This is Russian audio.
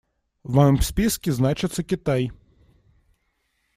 В моем списке значится Китай.